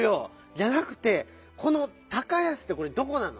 じゃなくてこの「高安」ってこれどこなの？